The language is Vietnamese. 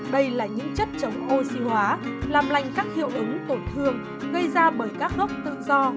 đây là những chất chống oxy hóa làm lành các hiệu ứng tổn thương gây ra bởi các gốc tự do